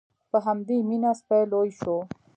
په همدې مینه سپی لوی شو.